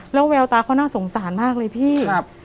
แล้วแววตาเขาน่าสงสารมากเลยพี่